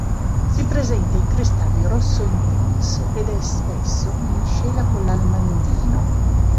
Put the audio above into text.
Si presenta in cristalli rosso intenso ed è spesso in miscela con l'almandino.